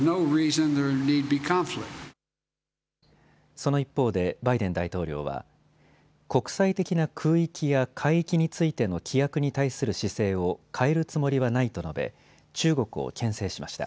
その一方でバイデン大統領は国際的な空域や海域についての規約に対する姿勢を変えるつもりはないと述べ、中国をけん制しました。